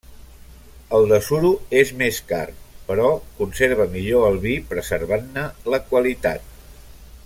El de suro és més car, però conserva millor el vi, preservant-ne la qualitat.